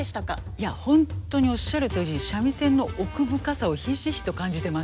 いやホントにおっしゃるとおり三味線の奥深さをひしひしと感じてます。